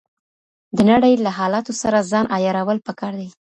د نړۍ له حالاتو سره ځان عیارول پکار دي.